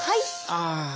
ああ。